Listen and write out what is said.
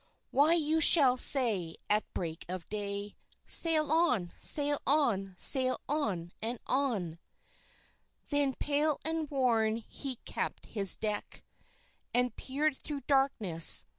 "Why you shall say at break of day, Sail on! Sail on! Sail on! and on!"_ _Then pale and worn, he kept his deck, And peered through darkness.